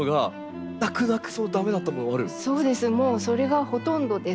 もうそれがほとんどです。